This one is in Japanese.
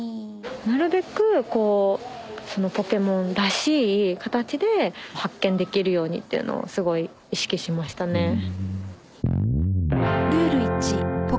なるべくこうそのポケモンらしい形で発見できるようにっていうのをすごい意識しましたね。